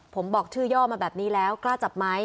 ผมบอกชื่อย่อมาแบบนี้แล้วกล้าจับไหม